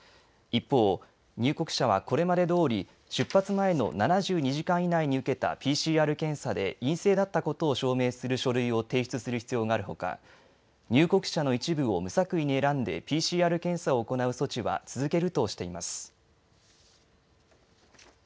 一方、入国者はこれまでどおり出発前の７２時間以内に受けたＰＣＲ検査で陰性だったことを証明する書類を提出する必要があるほか入国者の一部を無作為に選んでＰＣＲ検査を行う措置は続けるとしています。